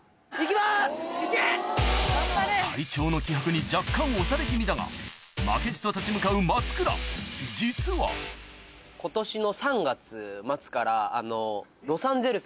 隊長の気迫に若干押され気味だが負けじと立ち向かう松倉実はということなので。